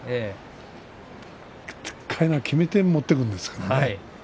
最後はきめて持っていくんですからね。